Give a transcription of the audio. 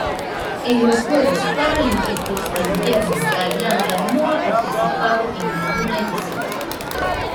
En los Juegos Paralímpicos de Invierno Tailandia no ha participado en ninguna edición.